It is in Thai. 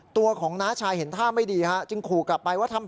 ตัวของน้าชายเห็นท่าไม่ดีฮะจึงขู่กลับไปว่าทำ